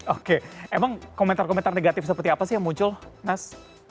oke emang komentar komentar negatif seperti apa sih yang muncul mas